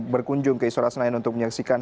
berkunjung ke isoras nayan untuk menyaksikan